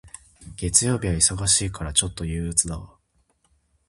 月曜日は忙しいから、ちょっと憂鬱だわ。